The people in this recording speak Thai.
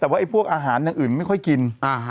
แต่ว่าพวกอาหารอย่างอื่นไม่ค่อยกิน